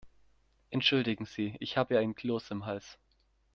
Entschuldigen Sie, ich habe einen Kloß im Hals.